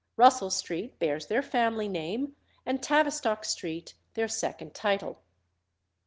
Russell Street bears their family name, and Tavistock Street their second title.